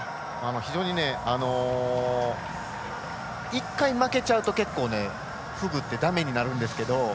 １回負けちゃうと結構ね、フグってだめになるんですけど。